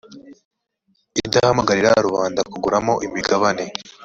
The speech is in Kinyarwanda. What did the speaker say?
idahamagarira rubanda kuguramo imigabane